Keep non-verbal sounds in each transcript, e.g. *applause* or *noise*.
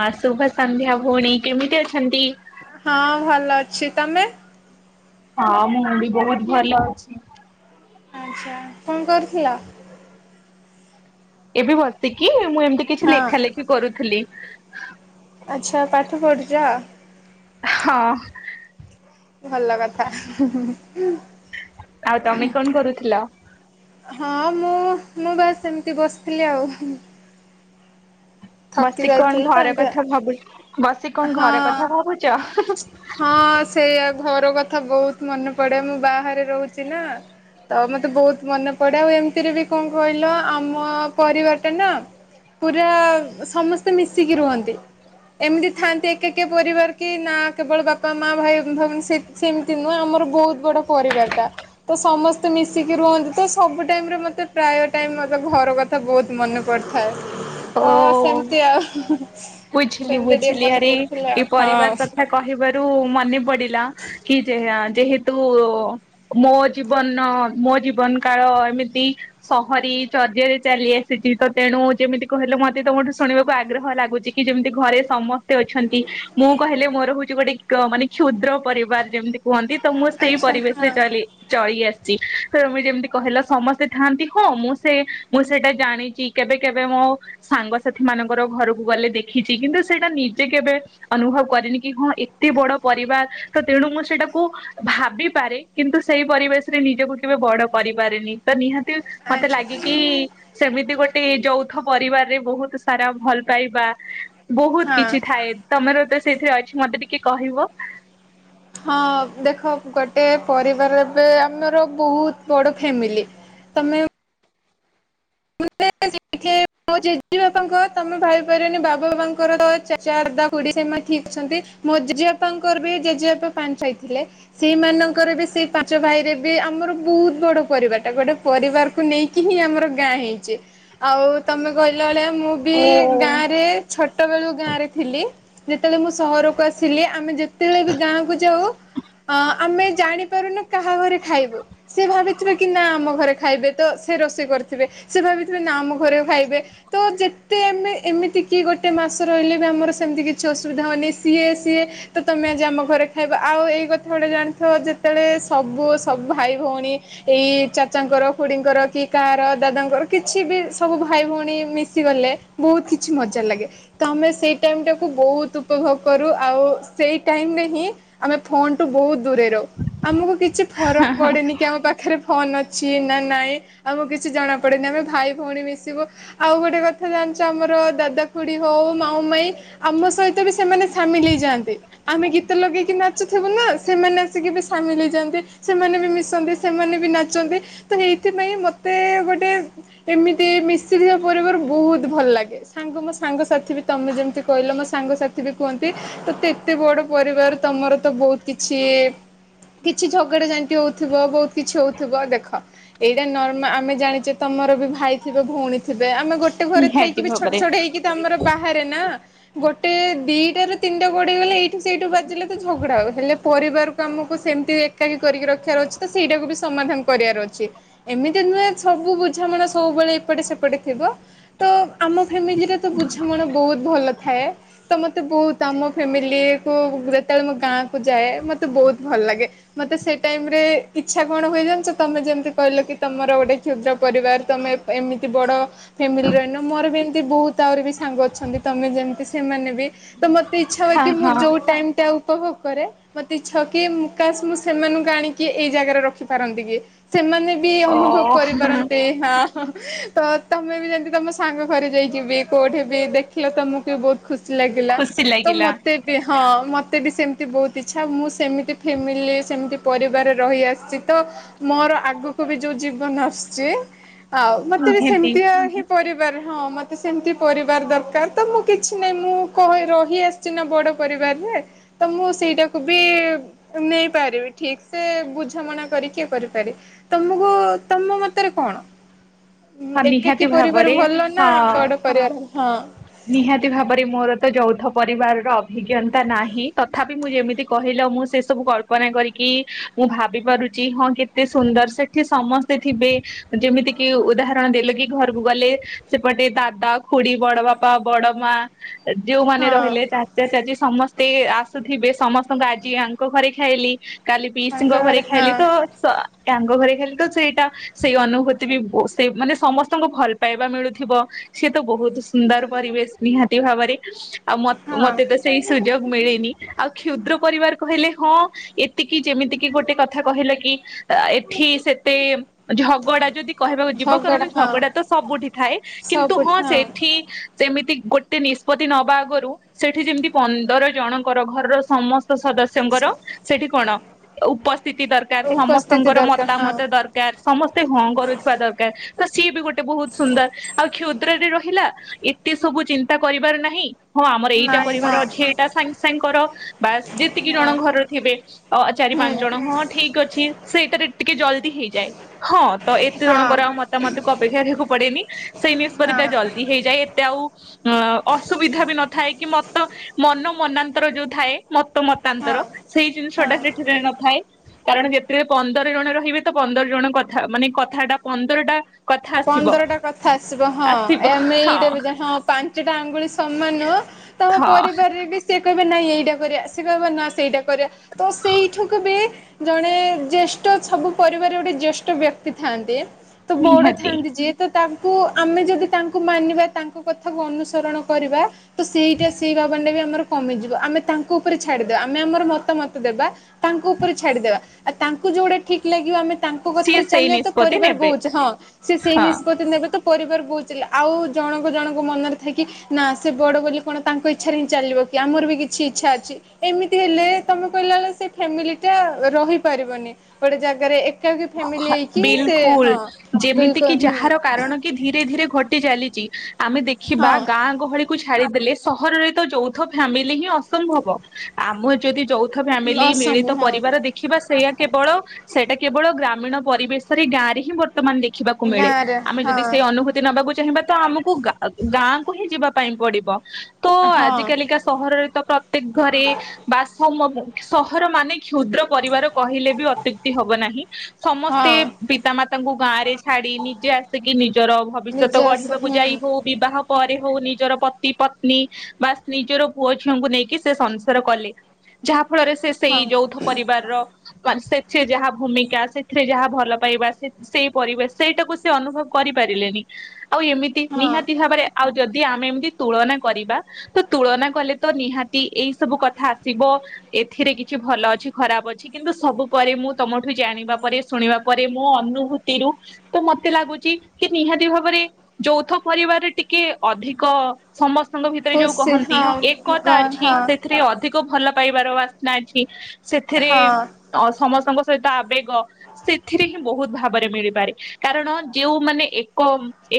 ହଁ ଶୁଭ ସନ୍ଧ୍ୟା ଭଉଣୀ କେମିତି ଅଛନ୍ତି? ହଁ ଭଲ ଅଛି। ତମେ ହଁ ମୁଁ ବି ବହୁତ ଭଲ ଅଛି। ଆଚ୍ଛା କଣ କରୁଥିଲ? ଏବେ ବସିକି ମୁଁ ଏମିତି କିଛି ହଁ ଲେଖା ଲେଖି କରୁଥିଲି। ଆଛା ପାଠ ପଢୁଛ। ହଁ। ଭଲ କଥା। ଆଉ ତମେ କଣ କରୁଥିଲ? ହଁ ମୁଁ ମୁଁ ବାସ୍ ଏମିତି ବସିଥିଲି ଆଉ। ଥକି ବସି କଣ ଯାଇଥିଲି ତ। ଘର ଏମିତି କଥା ଭାବୁ ଆଉ। ବସି କଣ ଘର ହଁ କଥା ଭାବୁଛ? ହଁ ସେଇଆ ଘର କଥ ବହୁତ୍ ମନେ ପଡେ। ମୁଁ ବାହାରେ ରହୁଚି ନା। ତ ମତେ ବହୁତ୍ ମନେ ପଡେ। ଆଉ ଏମିତିରେ ବି କଣ କହିଲ ଆମ ପରିବାରଟା ନା ପୁରା ସମସ୍ତେ ମିଶିକି ରୁହନ୍ତି। ଏମିତି ଥାନ୍ତି ଏକ୍ ଏକେକ୍ ପରିବାର କି ନା କେବଳ ବାପା ମା ଭାଇ ଭଉ ସେମିତି ନୁହେଁ। ଆମର ବହୁତ୍ ବଡ ପରିବାର ଟା ତ ସମସ୍ତେ ମିଶିକି ରୁହନ୍ତି। ତ ସବୁ ଟାଇମ୍ ରେ ମତେ ପ୍ରାୟ ଟାଇମ୍ ମତେ ଘର କଥା ବହୁତ୍ ମନେ ପଡିଥାଏ। ତ ଓ ସେମିତି ଆଉ ସେମତି ଟିକେ ମନେ ପଡୁଥିଲା କି ପରିବାର ହଁ କଥା କହିବାରୁ ମନେ ପଡିଲା। କି ଯେହେ ଆଉ ଯେହେତୁ ମୋ ଜୀବନ ମୋ ଜୀବନ୍ କାଳ ଏମିତି ସ ହରି ଚରଜେରେ ଚାଲି ଆସିଛି। ତ ତେଣୁ ଯେମିତି କହିଲେ ମତେ ତମଠୁ ଶୁଣିବାକୁ ଆଗ୍ରହ ଲାଗୁଚି। କି ଯେମିତି ଘରେ ସମସ୍ତେ ଅଛନ୍ତି ମୁଁ କହିଲେ ମୋର ହଉଛି କ୍ ଗୋଟେ ମାନେ କ୍ଷୁଦ୍ର ପରିବାର ଯେମିତି। କୁହନ୍ତି ତ ମୁଁ ସେଇ ଆଚ୍ଛା ପରିବେଶରେ ହଁ। ଚଳି ଆସିଚି। ତମେ ଯେମିତି କହିଲ ସମସ୍ତେ ଥାନ୍ତି। ହଁ ମୁଁ ସେ ମୁଁ ସେଇଟା ଜାଣିଚି। କେବେ କେବେ ମୋ ସାଙ୍ଗସାଥି ମାନଙ୍କର ଘରକୁ ଗଲେ ଦେଖିଚି। କିନ୍ତୁ ସେଇଟା ନିଜେ କେବେ ଅନୁଭବ୍ କରିନି। କି ହଁ। ଏତେ ବଡ ପରିବାର। ତ ତେଣୁ ମୁଁ ସେଟାକୁ ଭାବିପାରେ। କିନ୍ତୁ ସେଇ ପରିବେଶ୍ ରେ ନିଜକୁ କେବେ ବଡ କରିପାରିନି। ତ ନିହାତି ମତେ ଆଚ୍ଛା ଲାଗେକି ସେମିତି ଗୋଟେ ଯୌଥ ପରିବାରରେ ବହୁତ୍ ସାରା ଭଲ ପାଇବା ବୋହୁତ୍ ହଁ। କିଛି ଥାଏ। ତମର ତ ସେଇଠି ଅଛି ମତେ ଟିକେ କହିବ। ହଁ ଦେଖ ଗୋଟେ ପରିବାର ଏବେ ଆମର ବହୁତ୍ ବଡ ଫ୍ୟାମିଲି। ତମେ *unintelligible* ମୋ ଜେଜେ ବାପାଙ୍କର ତମେ ଭାବି ପାରିବନି ବାବା ବାପାଙ୍କର ଚାଚା ଦାଦା ଖୁଡି ସେମାନେ ଠିକ୍ ଅଛନ୍ତି। ମୋ ଜେଜେ ବାପାଙ୍କର ବି ଜେଜେ ବାପା ପାଞ୍ଚ ଥାଇ ଥିଲେ। ସେଇମାନଙ୍କର ବି ସେଇ ପାଞ୍ଚ ଭାଇରେ ବି ଆମର ବୋହୁତ୍ ବଡ ପରିବାର ଟା। ଗୋଟେ ପରିବାରକୁ ନେଇକି ହିଁ ଆମର ଗାଁ ହେଇଛି ଆଉ ତମେ କହିଲ ହଳିଆ ମୁଁ ବି ଓ ଗାଁ ରେ ଛୋଟ ବେଳୁ ଗାଁ ରେ ଥିଲି ଯେତେବେଳେ ମୁଁ ସହରକୁ ଆସିଲି ଆମେ ଯେତେବେଳେ ବି ଗାଁକୁ ଯାଉ ଆଁ ଆମେ ଜାଣିପାରୁନୁ କାହା ଘରେ ଖାଇବୁ। ସେ ଭାବିଥିବେ କି ନା ଆମ ଘରେ ଖାଇବେ ତ ସେ ରୋଷେଇ କରି ଥିବେ ସେ ଭାବିଥିବେ ନା ଆମ ଘରେ ଖାଇବେ ତ ଯେତେ ଆମେ ଏମିତି କି ଗୋଟେ ମାସ ରହିଲେ ବି ଆମର ସେମିତି କିଛି ଅସୁବିଧା ହଉନି ସିଏ ସିଏ ତ ତମେ ଆଜି ଆମ ଘରେ ଖାଇବ ଆଉ ଏଇ କଥା ଗୁଡ଼ା ଜାଣିଥିବ ଯେତେବେଳେ ସବୁ ସବ୍ ଭାଇ ଭଉଣୀ ଏଇ ଚାଚାଙ୍କର ଖୁଡ଼ିଙ୍କର କି କାହାର ଦାଦାଙ୍କର କିଛି ବି ସବୁ ଭାଇ ଭଉଣୀ ମିଶି ଗଲେ ବୋହୁତ୍ କିଛି ମଜା ଲାଗେ ତ ଆମେ ସେଇ ଟାଇମ୍ ଟାକୁୁ ବୋହୁତ୍ ଉପଭୋଗ କରୁ ଆଉ ସେଇ ଟାଇମ୍ ରେ ହିଁ ଆମେ ଫୋନ୍ ଟୁ ବୋହୁତ୍ ଦୂରରେ ରହୁ। ଆମକୁ କିଛି ଫରକ୍ ପଡେନି କି ଆମ ପାଖରେ ଫୋନ୍ ଅଛି ନା ନାଇଁ ଆଉ କିଛି କିଛି ଜଣାପଡ଼େନାହିଁ ଆମେ ଭାଇ ଭଉଣୀ ମିଶିବୁ ଆଉ ଗୋଟେ କଥା ଜାଣିଚ ଆମର ଦାଦା ଖୁଡ଼ି ହଉ ମାଉଁ ମାଇଁ ଆମ ସହିତ ବି ସେମାନେ ସାମିଲ୍ ହେଇଯାଆନ୍ତି ଆମେ ଗୀତ ଲଗେଇକି ନାଚୁଥିବୁ ନା ସେମାନେ ଆସିକି ବି ସାମିଲ୍ ହେଇଯାନ୍ତି ସେମାନେ ବି ମିଶନ୍ତି ସେମାନେ ବି ନାଚନ୍ତି ତ ଏଇଥିପାଇଁ ମତେ ମତେ ଗୋଟେ ଏମିତି ମିଶିିଯିବା ପରେ ପରେ ବୋହୁତ୍ ଭଲ ଲାଗେ ସାଙ୍ଗ ମୋ ସାଙ୍ଗସାଥୀ ବି ତମେ ଯେମିତି କହିଲ ମୋ ସାଙ୍ଗସାଥୀ ବି କୁହନ୍ତି ତତେ ବଡ଼ ପରିବାର ତମର ତ ବୋହୁତ୍ କିଛି କିଛି ଝଗଡା ଯାନ୍ତି ହୋଉଥିବ ବହୁତ୍ କିଛି ହଉଥିବ ଦେଖ ଏଇଟା ନର ଆମ୍ ଆମେ ଜାଣିଛେ ତମର ବି ଭାଇ ଥିବେ ଭଉଣୀ ଥିବେ ଆମେ ଗୋଟେ ଘରେ ଥାଇକି ନିହାତି ବି ଛୋଟ୍ ଭାବରେ ଛୋଟ୍ ହେଇକି ତ ଆମର ବାହା ରେ ନା ଗୋଟେ ଦିଟା ରେ ତିନିଟା ଗଡ଼ିଗଲେ ଏଇଠି ସେଇଠି ବାଜିଲେ ତ ଝଗଡ଼ା ହବ ହେଲେ ପରି ପରିବାର୍ କୁ ଆମକୁ ସେମିତି ଏକାକି କରିକି ରଖିବାର ଅଛି ତ ସେଇଟାକୁ ବି ସମାଧାନ୍ କରିବାର ଅଛି ଏମିତି। ନୁହେଁ ସବୁ ବୁଝାମଣା ସବୁବେଳେ ଏପଟେ ସେପଟେ ଥିବ ତ ଆମ ଫ୍ୟାମିଲିରେ ତ ବୁଝାମଣା କଣ ବୋହୁତ୍ ଭଲ ଥାଏ ତ ମତେ ବୋହୁତ୍ ଆମ ଫ୍ୟାମିଲି କୁ ଯେତେବେଳେ ମୁଁ ଗାଁ କୁ ଯାଏ। ମତେ ବୋହୁତ୍ ଭଲ ଲାଗେ ମତେ ସେ ଟାଇମ୍ ରେ ଇଚ୍ଛା କଣ ହୁଏ ତମେ ଯେମିତି କହିଲ କି? ତମର ଗୋଟେ କ୍ଷୁଦ୍ର ପରିବାର୍ ତମେ ଏମିତି ବଡ଼ ଫ୍ୟାମିଲି ରେ ରହିନ ମୋର ବି ଏମିତି ବହୁତ୍ ଆହୁରି ବେସୀ ସାଙ୍ଗ ଅଛନ୍ତି ତମେ ଯେମତି ସେମାନେ ବି ତ ମତେ ଇଛା ହୁଏ ହଁ କି ମୁଁ ହଁ ଯୋଉ ଟାଇମ୍ ଟା ଆଉ ଉପଭୋଗ କରେ ମତେ ଇଚ୍ଛା କି ମୁକାଶ ମୁଁ ସେମାନଙ୍କୁ ଆଣିକି ଏଇ ଜାଗାରେ ରଖିପାରନ୍ତି କି ସେମାନେ ବି ଓ ଅନୁଭବ କରିପାରନ୍ତେ ହଁ। ହଁ ତ ତମେ ବି ଯେମିତି ତମ ସାଙ୍ଗ ଘରେ ଯାଇକିବି କୋଉଠି ବି ଦେଖିଲ ତମକୁ ବି ବହୁତ ଖୁସି ଲାଗିଲା ଖୁସି ତ ଲାଗିଲା ମତେ ବି ହଁ ମ ତେ ବି ସେମିତି ବହୁତ ଇଚ୍ଛା ମୁଁ ସେମିତି ଫେମିଲି ରେ ସେମିତି ପରିବାର ରହିଆସିଛି ତ ମୋର ଆଗକୁ କୁ ବି ଯୋଉ ଜୀବନ ଆସୁଛି ଆଉ ମତେ ବି ନିହାତି ସେମିତିୟା ହିଁ ପରି ର ହଁ ମତେ ସେମତି ପରିବାର ଦରକାର ତ ମୁଁ କିଛି ନାହିଁ ମୁଁ କ ରହି ଆସିଛି ନା ବଡ ପରିବାର ବାର ରେ ତ ମୁଁ ସେଇଟାକୁ ବି ନେଇପାରିବି ଠିକ ସେ ବୁଝାମଣା କରି ଏ କରିପାରେ ତମକୁ ତମ ମତରେ କଣ? ହଁ ନିହାତି ଏକାକି ପରିବାର ଭାବରେ ଭଲ ନା ହଁ ବଡ ପରିବାର ହଁ? ନିହାତି ଭାବରେ ମୋର ତ ଯୌଥ ପରି ପରିବାର ର ଅଭିଜ୍ଞତା ନାହିଁ ତଥାପି ମୁଁ ଯେମିତି କହିଲ ମୁ ସେ ସବୁ କଳପନା କରି କି ଭାବି ପାରୁଛି ହଁ କେତେ ସୁନ୍ଦର ସେଠି ସମସ୍ତେ ଥିବେ ଯେମିତି କି ଉଦାହ ଣ ଦେଲ କି ଘରକୁ ଗଲେ ସେପଟେ ଦାଦା ଖୁଡି ବଡ ବାପା ବଡ ମା ଯୋଉମାନେ ହଁ। ରହିଲେ ଚାଚା ଚାଚୀ ସମସ୍ତେ ଆସୁଥିବେ ସମସ୍ତଙ୍କୁ ଆଜି ଆଙ୍କ ଘରେ ଖାଇଲି କାଲି ତାଙ୍କ ପିଶିଙ୍କ ଘରେ ଖାଇଲି ହଁ ତ ସ ମ ଘରେ ଖାଲି ତ ସେଇଟା ସେଇ ଅନୁଭୂତି ବି ବସ ସେ ମାନେ ସମସ୍ତଙ୍କୁ ଭଲ ପାଇବା ମିଳୁଥିବ ସିଏ ତ ବହୁତ ସୁନ୍ଦର ପରିବେଶ ନିହାତି ଭାବରେ। ଆଉ ମତ ହଁ ମତେ ତ ସେଇ ସୁଯୋଗ ମିଳେନି ଆଉ କ୍ଷୁଦ୍ର ପରିବାର କହିଲେ ହଁ ଏତିକି ଯେମିତି କିି ଗୋଟେ କଥା କହିଲ କି ଏଠି ସେତେ ଝଗଡା ଯଦି କହିବା ଯିବ କାରଣ ଝଗଡା ତ ସବୁଠି ଥାଏ କିନ୍ତୁ ହଁ ସେଠି ସେମିତି ଗୋଟେ ନିଷ୍ପତି ନବା ଆଗରୁ ସେଠି ଯେମିତି ପନ୍ଦର ଜଣଙ୍କର ଘରର ସମସ୍ତଙ୍କର ସଦସ୍ୟଙ୍କର ସେଠି କଣ ଉପସ୍ଥିତି ଦରକାର ଉପସ୍ଥିତି ସମସ୍ତଙ୍କର ଦରକାର ହଁ ମତାମତ ଦରକାର। ସମସ୍ତେ ହଁ କରୁଥିବା ଦରକାର ତ ସିଏ ବି ଗୋଟେ ବହୁତ ସୁନ୍ଦର ଆଉ କ୍ଷୁ ଦ୍ର ରେ ରହିଲା ଏତେ ସବୁ ଚିନ୍ତା କରିବାର ନାହିଁ। ହଁ ଆମର ଏଇଟା ନାଇଁ କରିବାର ହଁ ଅଛି ଏଇଟା ସାଙ୍ଗେ ସାଙ୍ଗେ କର ବାସ୍ ଯେତିକି ଜଣ ହଁ। ଘରର ଥିବେ ଓ ଚା। ହୁଁ ପାଞ୍ଚ ଜଣ ହଁ ଠିକ ଅଛି ସେଇଟାରେ ଟିକେ ଜଲଦି ହେଇଯାଏ ହଁ ତ ଏତେ ହଁ ଜଣ। ମୋର ଆଉ ମତାମତକୁ ଅପେକ୍ଷା କରିବାକୁ ପଡେନି ସେଇ ନିଷ୍ପତ୍ତି ଟା ହଁ ଜଲଦି ହେଇଯାଏ ଏତେ ଆଉ। ଅସୁବିଧା ବି ନଥାଏ କି ମତ ମନ ମନାନ୍ତର ଯୋଉ ଥାଏ। ମତ ହଁ ମତାନ୍ତର ସେଇ ଜିନିଷ ଟା ହଁ। ସେଠିରେ ନଥାଏ। କାରଣ ସେଥିରେ ପନ୍ଦର ଜଣ ରହିବେ ତ ପନ୍ଦର ଜଣ କଥା ମାନେ କଥା ଟା ପନ୍ଦର ଟା। ପନ୍ଦରଟା କଥା ଆସିବ ହଁ ଆସିବ ଏମ ହଁ ଇଟା ହଁ ପାଞ୍ଚଟା ଆଙ୍ଗୁଳି ସମାନ ନୁହଁ। ତମ ହଁ ପରିବାରରେ ବି ସେ। କହିବା ନା ଏଇଟା କରିବା ସେ କହିବା ନା ସେଇଟା କରିବା ତ ସେଇଠୁକୁ ବି ଜଣେ ଜେଷ୍। ସବୁ ପରିବାର ଗୋଟେ ଜେଷ୍ଠ ବ୍ୟକ୍ତି ଥାନ୍ତି। ତ ବଡ ନିହାତି ଥାଆନ୍ତି ଯିଏ ତ ତାଙ୍କୁ ଆମେ ଯଦି ତାଙ୍କୁ ମାନିବା ତାଙ୍କୁ। କଥା ଅନୁସରଣ କରିବା ତ ସେଇଟା ସେଇ ଦ୍ଭ ଭାବନାଟେ ବି ଆମର କମିଯିବ ଆମେ ତାଙ୍କ ଉପରେ ଛାଡିଦବା। ଆମେ ଆମର ମତାମତ ଦେବା ତାଙ୍କ ଉପରେ ଛାଡ଼ିଦେବା ଆଉ ତାଙ୍କୁ ଯୋଉଟା ଠିକ ଲାଗିବ ଆମେ। ତାଙ୍କ ସିଏ କଥାରେ ସେଇ ଚାଲିବା ତ ନିଷ୍ପତ୍ତି ପରିବାର ନେବେ ବହୁଛି ହଁ ସେ ସେଇ ହଁ। ନିଷ୍ପତି ନେବେ। ତ ପରିବାର ବହୁଝିଲା ଆଉ ଜଣଙ୍କ ଜଣଙ୍କ ମନରେ ଥାଏ କି ନା ସେ ବଡ ବୋଲି କଣ ତାଙ୍କ ଇଚ୍ଛାରେ ହିଁ ଚାଲି ବକି ଆମର ବି କିଛି ଇଛା ଏମିତି ହେଲେ ଏ ତମେ କହିଲା ପରି ସେ ଫ୍ୟାମିଲି ଟା ରହିପାରିବନି। ନି ଗୋଟେ ଜାଗାରେ ଏକା କି ଫେମିଲି ହେଇକି ସେ ହଁ। ଏମିତି ବିଲକୁଲ କି ହୁଁ ଯାହାର କାରଣ କି ଧୀରେ ଧୀରେ ଘଟି ଚାଲିଛି ଆମେ ଦେଖିବା ହଁ ଗାଁ ଗହଳିକୁ ଚ୍ଛା ଛାଡିଦେଲେ ସହରରେ ତ ଯୌଥ ଫ୍ୟାମିଲି ହିଁ ଅସମ୍ଭବ ଆମ ଯଦି। ଯୌଥ ଫ୍ୟାମିଲି ମିଳିତ ଅସମ୍ଭବ ହଁ ପରିବାର ଦେଖିବା ସେୟା କେବଳ ସେଟା କେବଳ। ଗ୍ରାମୀଣ ପରିବେଶରେ ଗାଁରେ ହିଁ ବର୍ତ୍ତମାନ ଦେଖିବାକୁ ମିଳେ ଗାଁରେ ଆମେ ଯଦି ହଁ ସେଇ ଅନୁଭୂତି ନବାକୁ ଚାହିଁବା ତ ଆମକୁ ଗାଁ ଗାଁକୁ ହିଁ ଯିବା ପାଇଁ ପଡିବ ତ ହଁ ଆଜି କାଲିକା ସହରରେ ତ। ପ୍ରତ୍ୟେକ ଘରେ ବା ସ ସମ ସହର ମାନେ। କ୍ଷୁଦ୍ର ପରିବାର କହିଲେ ବି ଅତ୍ୟୁକ୍ତି ହବ ନାହିଁ ସମସ୍ତେ ହଁ ପିତାମାତାଙ୍କୁ ଗାଁ ରେ ଛାଡି ନିଜେ ଆସିକି ନିଜର ଭବିଷ୍ୟତ ନିଜେ ଆସ ଗଢିବାକୁ ଯାଇ ହୁଁ ହଉ ବିବାହ। ପରେ ହଉ ନିଜର ପତି ପତ୍ନୀ ବା ନିଜର ପୁଅ ଝିଅଙ୍କୁ ନେଇକି ସେ ସଂସାର କଲେ। ଯାହା ଫଳରେ ସେ ସେଇ ହଁ ଯୌଥ ପରିବାରର ସେ ସେ ଯାହା ଭୂମିକା। ସେଥିରେ ଯାହା ଭଲ ପାଇବା ସେଇ ପରିବେଶ ସେଇଟାକୁ ସେ ଅନୁଭବ କରିପାରିଲେନି। ଆଉ ଏମିତି ହଁ ନିହାତି ଭାବରେ ଆଉ ଯଦି। ଯେ ଆମେ ଏମିତି ତୁଳନା କରିବା ତ ତୁଳନା କଲେ ତ ନିହାତି ଏଇ ସବୁ କଥା ଆସିବ। ଏଥିରେ କିଛି ଭଲ ଅଛି ଖରାପ ଅଛି କିନ୍ତୁ ସବୁ ପରେ ମୁଁ ତମଠୁ। ଜାଣିବା ପରେ ଶୁଣିବା ପରେ ମୋ ଅନୁଭୂତିରୁୁ ତ ମତେ ଲାଗୁଛି କି ନିହାତି ଭାବରେ। ଯୌଥ ପରିବାରରେ ଟିକେ ଅଧିକ ସମସ୍ତ। ଭିତରେ ଯୋଉ ଖୁସି କହନ୍ତି ହଁ ଏକତା ଗନ୍ ଅଛି ହଁ ସେଥିରେ ଅଧିକ ଭଲ ପାଇବାର ବାସ୍ନା ଅଛି ସେଥିରେ ହଁ ସମସ୍ତଙ୍କ ସହିତ ଆବେଗ ସେଥିରେ ହିଁ ବହୁତ ଭାବରେ ମିଳିପାରେ କାରଣ ଯୋଉମାନେ ଏକ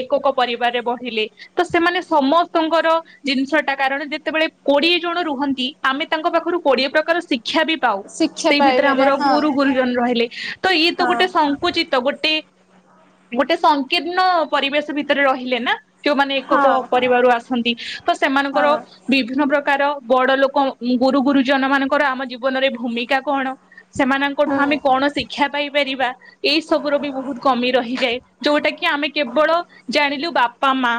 ଏ ଏକ ପରିବାରରେ ବଢିଲେ ତ ସେମାନେ ସମସ୍ତଙ୍କର ଜିନିଷ ଟା କାରଣ ଯେତେବେଳେ କୋଡିଏ ଜ ଣ ରୁହନ୍ତି ଆମେ ତାଙ୍କ ପାଖରୁ କୋଡିଏ ପ୍ରକାର ଶିକ୍ଷା ବି ପାଉ ଶିକ୍ଷା ସେଇ ଭିତରେ ପାଇବାରେ ଆମର ହଁ ଗୁରୁ ଗୁରୁ ରହିଲେ ତ ଇଏ ତ ହଁ ଗୋଟେ ସଙ୍କୁଚିତ। ତ ଗୋଟେ ଗୋଟେ ସଂକୀର୍ଣ୍ଣ ପରିବେଶ ଭିତରେ ରହିଲେ ନା। ଯୋଉମାନେ ଏକକ ହଁ ପରିବାରରୁ ଆସନ୍ତି ତ ସେମାନଙ୍କର ହଁ ବିଭିନ୍ନ ପ୍ରକାର। ବଡ ଲୋକ ଗୁରୁ ଗୁରୁଜନ ମାନଙ୍କର ଆମ ଜୀବନରେ ଭୂମିକା କଣ ସେମାନେ ଠୁ ଆମେ ହୁଁ କଣ ଶିକ୍ଷା ପାଇପାରିବା ଏଇ ସବ ର ବି ବହୁତ କମି ରହିଯାଏ ଯୋଉଟା କି। ଆମେ କେବଳ ଜାଣିଲୁ ବାପା ମା।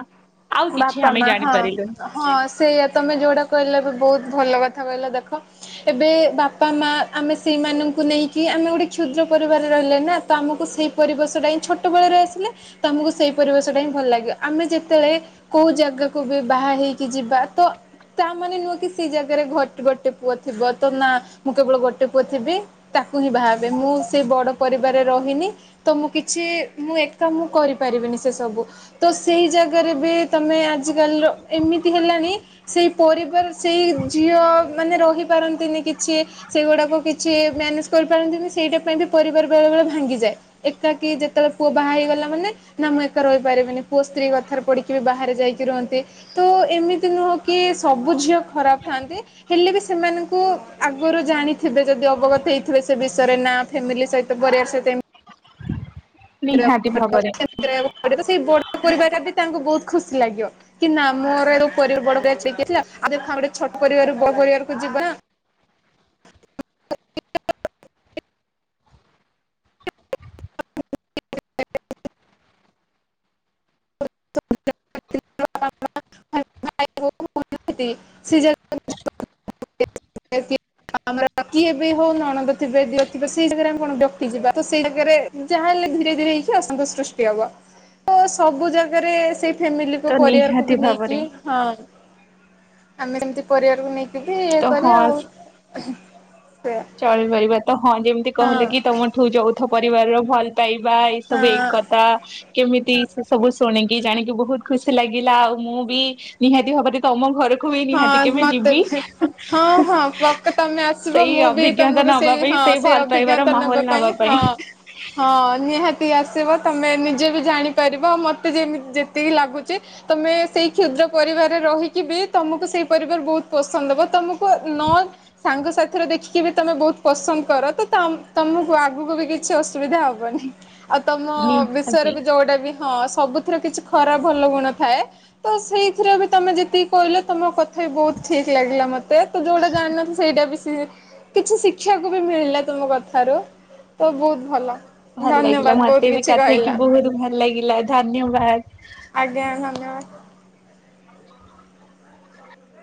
ଆଉ କିଛି ବାପା ଆମେ ମା ହଁ ଜାଣିପାରିଲୁନି। ହଁ ସେଇୟା ତମେ ଯୋଉଟା କହିଲା ବି ବହୁତ ଭଲ କଥା କହିଲ ଦେଖ। ଏବେ ବାପା ମା ଆମେ ସେଇମାନଙ୍କୁ ନେଇକି ଆମେ ଗୋଟେ କ୍ଷୁଦ୍ର ପରିବାର ରହିଲେ ନା। ତ ଆମକୁ ସେଇ ପରିବେଶଟା ହିଁ ଛୋଟ ବେଳରେ ଆସିଲେ ତ ଆମକୁ ସେଇ ପରିବେଶଟା ହିଁ ଭଲ ଲାଗେ ଆମେ ଯେତେବେଳେ। କୋଉ ଜାଗାକୁ ବି ବାହା ହେଇକି ଯିବା ତ। ତା ମାନେ ନୁହେଁ କି ସେ ଜାଗାରେ ଗୋଟେ ପୁଅ ଥିବ ତ ନା ମୁଁ କେବଳ ଗୋଟେ ପୁଅ ଥିବି। ତାକୁ ହିଁ ବାହା ହେବି ମୁଁ ସେ ବଡ ପରିବାରରେ ରହିନି ତ ମୁଁ କିଛି ମୁଁ ଏକ କରିପାରିବି। ଜିନିଷ ସବୁ ତ ସେଇ ଜାଗାରେ ବି ତମେ ଆଜିକାଲିର ଏମିତି ହେଲାଣି ସେଇ ପରିବାର ସେଇ ଝିଅ ମାନେ ରହି ପାରନ୍ତିନି କିଛି ସେଗୁଡାକୁ କିଛି ମ୍ୟାନେଜ କରିପାରନ୍ତିନି ସେଇଟା ପାଇଁ ବି ପରିବାର ବେଳେ ବେଳେ ଭାଙ୍ଗିଯାଏ। ଏକାକି ଯେତେବେଳେ ପୁଅ ବାହା ହେଇଗଲା ମାନେ ନା ମୁଁ ଏକା ରହିପାରିବିନି ପୁଅ ସ୍ତ୍ରୀ କଥାରେ ପଡିକି ବାହାରେ ଯାଇକି ରୁହନ୍ତି ତ ଏମିତି ନୁହଁ କି ସବୁ ଝିଅ ଖରାପ ଥାନ୍ତି ହେଲେ ବି ସେମାନଙ୍କୁ ଆଗରୁ ଜାଣିଥିବେ ଯଦି ଅବଗତ ହେଇଥିବେ ସେ ବିଷୟରେ ନା ଫ୍ୟାମିଲି ସହିତ ପରିବାର ସହିତ ଏମ ନିହାତି ଭାବରେ *unintelligible* ସେଇ ବଡ଼ ପରିବାର ଟା ବି ତାଙ୍କୁ ବହୁତ ଖୁସି ଲାଗିବ କି ନା ମୋର *unintelligible* ଆମେ ଗୋଟେ ଛୋଟ ପରିବାର ରୁ ବଡ ପରିବାରକୁ ଯି *unintelligible* *unintelligible* *unintelligible* *unintelligible* ସିଏ *unintelligible* ଆମ କିଏ ବି ହଉ ନଣନ୍ଦ ଥିବେ ଦିଅର ଥିବେ ସେଇ ଜାଗାରେ ଆମେ କଣ ବତି ଯିବା ତ ସେଇ ଜାଗା ରେ ଯାହାଲେ ଧୀରେ ଧୀରେ ହେଇକି ଅସନ୍ତୋଷ ସୃଷ୍ଟି ହବ ତ ସବୁ ଜାଗାରେ ସେ ଫା ତ ପରିବାରକୁ ନିହାତି ବି ନେଇକି ଭାବରେ ହଁ ଆମେ କେମତି ପରିବାରକୁ ନେଇକି ଏମତି ଇଏ ତ ହଁ କରିଆ ଆଉ। ସେୟା। ଚଳିପାରିବା ତ ହଁ ଯେମିତି ହଁ କହିଲେ କି ତମଠୁ ଯୌଥ ପରିବାରର ଭଲ ପାଇ ବା ଏଇ ସବୁ ହଁ ଏକତା କେମିତି ସେ ସବୁ ଶୁଣିକି ଜାଣିକି ବହୁତ ଖୁସି ଲାଗିଲା ଆଉ ମୁଁ ବି ନିହାତି ଭାବରେ ତମ ଘର ହଁ ମତେ ବି ହଁ ହଁ ପକା ତମେ ଆସିବ ସେଇ ମୁଁ ବି ଅଭିଜ୍ଞତା ତମକୁ ନବା ସେଇ ପାଇଁ ହଁ ସେଇ ଭଲ ପାଇବାର ଅଭିଜ୍ଞତା ମାହୋଲ ନେବା ପାଇଁ ନବା ହଁ ହଁ ନିହାତି ଆ ଆସିବ ତମେ ନିଜେ ବି ଜାଣିପାରିବ ମତେ ଯେମି ଯେତିକି ଲାଗୁଛି ତମେ ସେଇ କ୍ଷୁଦ୍ର ପ ରିବାରରେ ରହିକିବି ତମକୁ ସେଇ ପରିବାର ବହୁତ ପସନ୍ଦ ହବ ତମକୁ ନ ସାଙ୍ଗସାଥିରେ ଦେଖିକି ବି ତମେ ବହୁତ ପସନ୍ଦ କର ତ ତମକୁ ଆଗକୁ ବି କିଛି ଅସୁବିଧା ହବନି। ଆଉ ତମ ବିଷୟରେ ନିହାତି ବି ଯୋଉଟା ବି ହଁ ସବୁଥିରେ କିଛି ଖରାପ ଭଲ ଗୁଣ ଥାଏ ତ ସେଇଥିରେ ବି ତମେ ଯଦି କହିଲେ ତମ କଥା ବି ବହୁତ ଠିକ୍ ଲାଗିଲା ମତେ ତ ଯୋଉଟା ଜାଣିନଥିଲି ସେଇଟା ବି କିଛି ଶି୍ଖିବାକୁ ବି ମିଳିଲା ତମ କଥାରୁ ତ ବହୁତ ଭଲ। ଭଲ ଲାଗିଲା ଧନ୍ୟବାଦ ମତେ ବହୁତ ବି କିଛି କଥାହେଇକି କହିଲା ବହୁତ ଭଲ ଲାଗିଲା ଧନ୍ୟବାଦ। ଆଜ୍ଞା ଧନ୍ୟବାଦ।